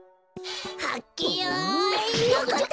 はっけよいのこった！